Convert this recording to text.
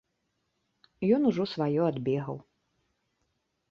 Ён ужо сваё адбегаў.